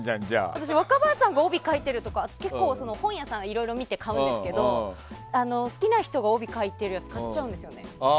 私、若林さんが帯を書いてるとかいろいろ見て買うんですけど好きな人が帯書いてるやつ買っちゃうんですよね。